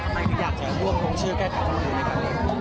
ทำไมคุณอยากจะร่วมลงชื่อแก้ไขรมนุนนะครับ